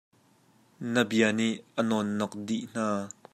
Na bia nih a nawnnok dih hna.